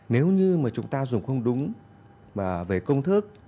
nếu như mà chúng ta dùng không đúng về công thức